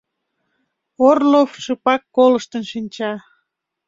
Орлов шыпак колыштын шинча.